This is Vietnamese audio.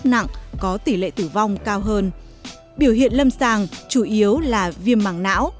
trường hợp nặng có tỷ lệ tử vong cao hơn biểu hiện lâm sàng chủ yếu là viêm mạng não